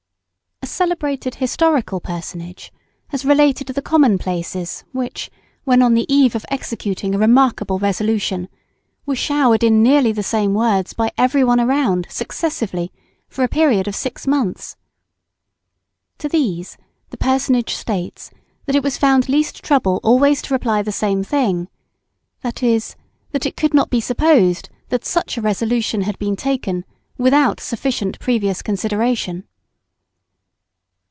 ] A celebrated historical personage has related the commonplaces which, when on the eve of executing a remarkable resolution, were showered in nearly the same words by every one around successively for a period of six months. To these the personage states that it was found least trouble always to reply the same thing, viz., that it could not be supposed that such a resolution had been taken without sufficient previous consideration.